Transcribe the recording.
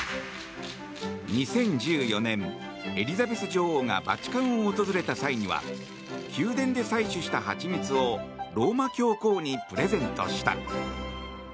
２０１４年、エリザベス女王がバチカンを訪れた際には宮殿で採取したハチミツをローマ教皇にプレゼントした。